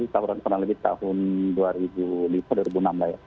kurang lebih tahun dua ribu lima atau dua ribu enam